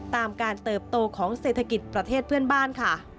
ตามการเติบโตของเศรษฐกิจประเทศเพื่อนบ้านค่ะ